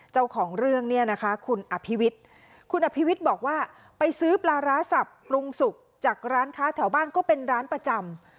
เจ้าของเรื่องเนี่ยนะคะคุณอภิวิตคุณอภิวิตบอกว่าไปซื้อปลาร้าสับปรุงสุกจากร้านค้าแถวบ้านก็เป็นร้านประจำ